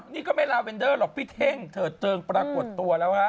นี่ก็ไม่ลาเวนเดอร์หรอกพี่เท่งเถิดเจิงปรากฏตัวแล้วฮะ